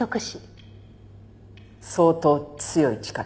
相当強い力。